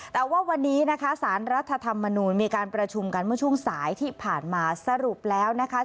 แต่ว่าวันนี้นะคะสารรัฐธรรมนูญมีการประชุมกันเมื่อช่วงสายที่ผ่านมาสรุปแล้วนะคะ